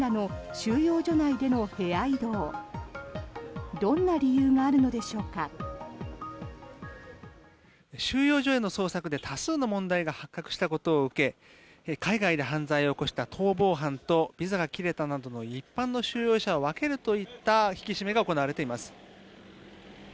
収容所への捜索で多数の問題が発覚したことを受け海外で犯罪を起こした逃亡犯とビザが切れたなどの一般の収容者を分けるといった引き締めが行われています。